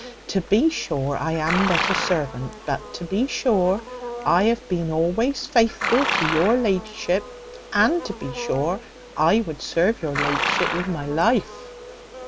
To be sure I am but a servant; but to be sure I have been always faithful to your la'ship, and to be sure I would serve your la'ship with my life."